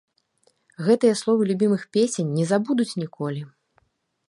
Гэтыя словы любімых песень не забудуць ніколі!